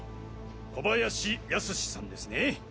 小林康さんですね？